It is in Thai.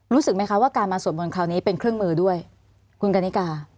รู้สึกไหมคะว่าการมาสวดมนต์คราวนี้เป็นเครื่องมือด้วยคุณกันนิกา